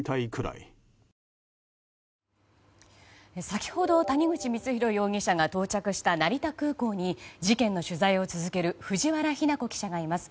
先ほど谷口光弘容疑者が到着した成田空港に事件の取材を続ける藤原妃奈子記者がいます。